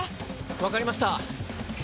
分かりました。